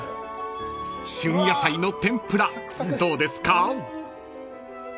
［旬野菜の天ぷらどうですか？］